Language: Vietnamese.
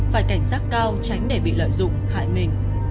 phải cảnh giác cao tránh để bị lợi dụng hại mình